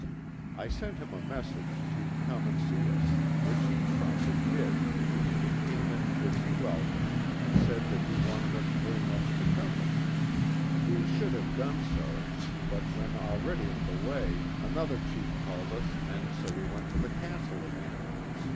I sent him a message to come and see Journal of Arent Van Curler 23 us, which he promptly did ; he came and bid me welcome, and said that he wanted us very much to come with him. We should have done so, but when already on the way another chief called us and so we went to the Castle again.